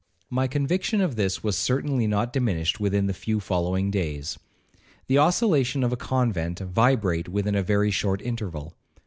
'My conviction of this was certainly not diminished within the few following days. The oscillations of a convent vibrate within a very short interval.